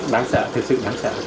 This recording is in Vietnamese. đáng sợ thực sự đáng sợ